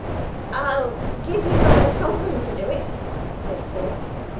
"I'll give you a sovereign to do it," said Paul.